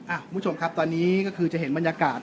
คุณผู้ชมครับตอนนี้ก็คือจะเห็นบรรยากาศ